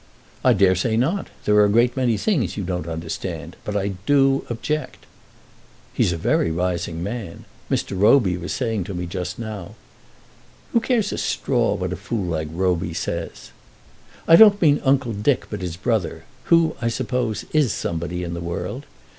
"I dare say not. There are a great many things you don't understand. But I do object." "He's a very rising man. Mr. Roby was saying to me just now " "Who cares a straw what a fool like Roby says?" "I don't mean Uncle Dick, but his brother, who, I suppose, is somebody in the world.